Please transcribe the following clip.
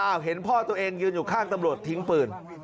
เห็นพ่อตัวเองยืนอยู่ข้างตำรวจทิ้งปืน